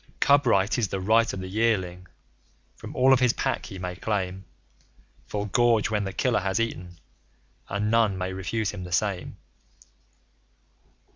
Cub Right is the right of the Yearling. From all of his Pack he may claim Full gorge when the killer has eaten; and none may refuse him the same.